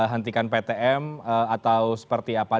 hentikan ptm atau seperti apa